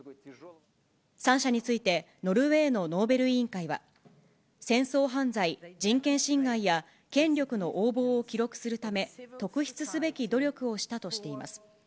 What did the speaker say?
３者について、ノルウェーのノーベル委員会は、戦争犯罪、人権侵害や、権力の横暴を記録するため、特筆すべき努力をしたとしています。